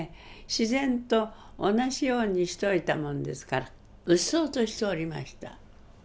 自然と同じようにしといたもんですからうっそうとしておりました。